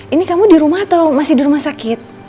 ini kamu di rumah atau masih di rumah sakit